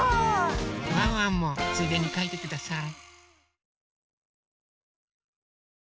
ワンワンもついでにかいてください。